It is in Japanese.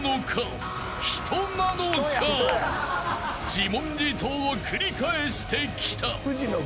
［自問自答を繰り返してきた］